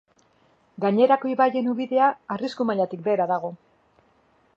Gainerako ibaien ubidea arrisku mailatik behera dago.